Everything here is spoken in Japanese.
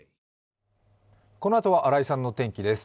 このあとは新井さんの天気です。